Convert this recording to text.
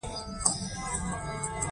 په میلیونونو کیلومترو په مساحت موجود و.